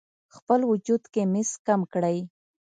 خپل وجود کې مس کم کړئ: